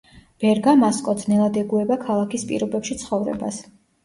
ბერგამასკო ძნელად ეგუება ქალაქის პირობებში ცხოვრებას.